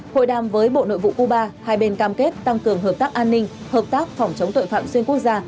hội đàm với bộ nội vụ cuba hai bên cam kết tăng cường hợp tác an ninh hợp tác phòng chống tội phạm xuyên quốc gia